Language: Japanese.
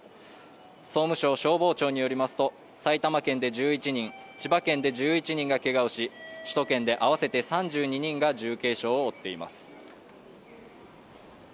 総務省消防庁によりますと、埼玉県で１１人、千葉県で１１人がけがをし首都圏で合わせて３２人が重軽傷を負っています。